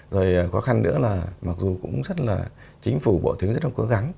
rồi khó khăn nữa là mặc dù cũng rất là chính phủ bộ thứ rất là cố gắng